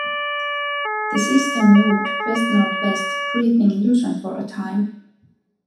The system moved west-northwest, threatening Luzon for a time.